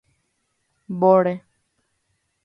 Mbóre.